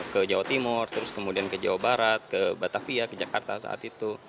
ke jawa timur terus kemudian ke jawa barat ke batavia ke jakarta saat itu